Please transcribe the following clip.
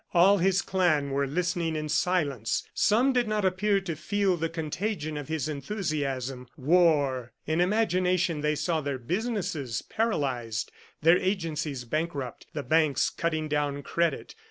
All his clan were listening in silence. Some did not appear to feel the contagion of his enthusiasm. War! ... In imagination they saw their business paralyzed, their agencies bankrupt, the banks cutting down credit